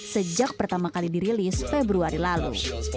sejak pertama kali dirilis februari lalu